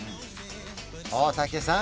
大竹さん